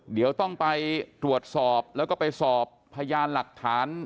เดี๋ยวต้องไปตรวจสอบแล้วก็ไปสอบพยานหลักฐาน